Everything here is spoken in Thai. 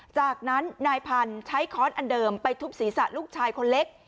จากนั้นนายพันธุ์ใช้ค้อนอันเดิมไปทุบศีรษะลูกชายคนเล็ก